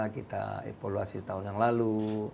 kita evaluasi setahun yang lalu